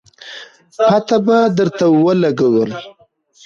پته به درته ولګي